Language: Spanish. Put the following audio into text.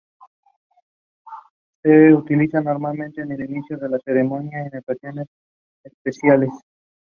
Se lo utiliza normalmente al inicio de ceremonias y en ocasiones especiales.